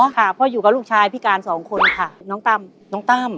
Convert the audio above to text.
สมองของลูกเราได้รับการกระทบกระทื่นอย่างหนัก